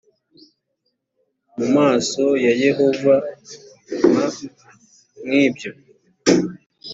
mu maso ya yehova m nk ibyo